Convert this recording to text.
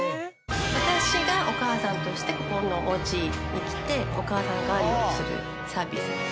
私がお母さんとしてここのおうちに来てお母さん代わりをするサービスです。